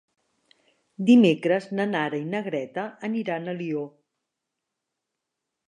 Dimecres na Nara i na Greta aniran a Alió.